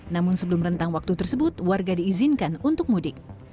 namun sebelum rentang waktu tersebut warga diizinkan untuk mudik